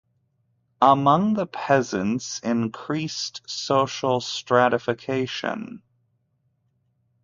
Among the peasants increased social stratification.